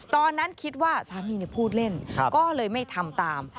ตอนนั้นคิดว่าสามีพูดเล่นก็เลยไม่ทำตาม